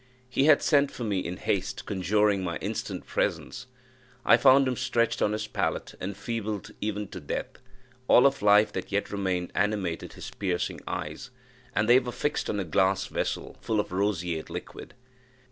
He had sent for me in haste, conjuring my instant presence. I found him stretched on his pallet, enfeebled even to death; all of life that yet remained animated his piercing eyes, and they were fixed on a glass vessel, full of roseate liquid.